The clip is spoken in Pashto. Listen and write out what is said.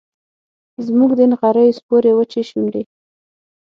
زموږ د نغریو سپورې وچې شونډي